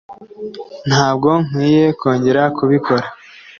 Ntabwo nkwiye kongera kubikora.